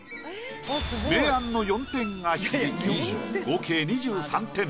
明暗の４点が響き合計２３点。